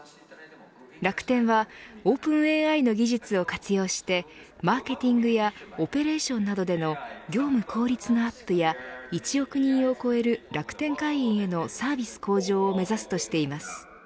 楽天はオープンＡＩの技術を活用してマーケティングやオペレーションなどでの業務効率アップや１億人を超える楽天会員へのサービス向上を目指すとしています。